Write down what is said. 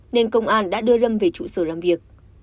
nên công an đã đưa râm về trụ sở làm việc